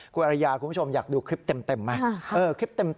คุณอริยาคุณผู้ชมอยากดูคลิปเต็มไหมครับคุณอริยาคุณผู้ชมอยากดูคลิปเต็มไหมครับ